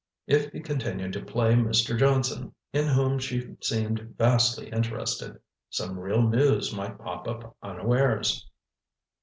If he continued to play Mr. Johnson, in whom she seemed vastly interested, some real news might pop out unawares.